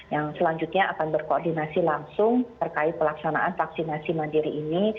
yang selanjutnya akan berkoordinasi langsung terkait pelaksanaan vaksinasi mandiri ini